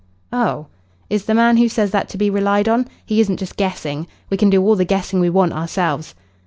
"Oh. Is the man who says that to be relied on? He isn't just guessing? We can do all the guessing we want ourselves."